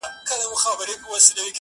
تلي مي سوځي په غرمو ولاړه یمه،